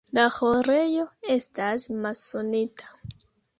La ĥorejo estas masonita.